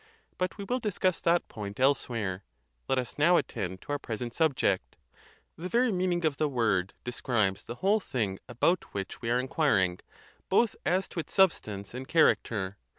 But we will discuss that point elsewhere: let us now attend to our present subject. The very meaning of the word de scribes the whole thing about which we are inquiring, both as to its substance and character.